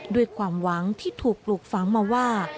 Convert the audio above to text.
ด้วยความหวังที่ถูกปลูกฝังมาว่า